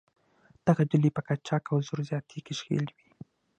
دغه ډلې په قاچاق او زور زیاتي کې ښکېل وې.